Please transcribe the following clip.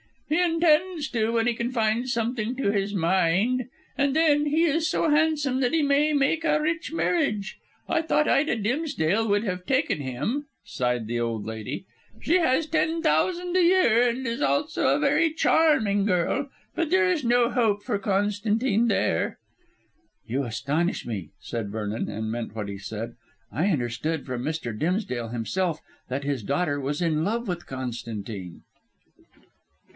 "He intends to, when he can find something to his mind. And then, he is so handsome that he may make a rich marriage. I thought Ida Dimsdale would have taken him," sighed the old lady; "she has ten thousand a year and is also a very charming girl. But there is no hope for Constantine there." "You astonish me," said Vernon, and meant what he said. "I understood from Mr. Dimsdale himself that his daughter was in love with Constantine."